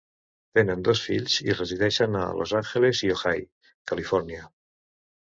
Tenen dos fills i resideixen a Los Angeles i Ojai, Califòrnia.